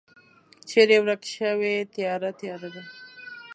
چیری ورک شوی تیاره، تیاره ده